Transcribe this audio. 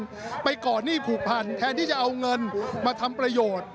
ไปก่อนหนี้ผูกพันแทนที่จะเอาเงินมาทำประโยชน์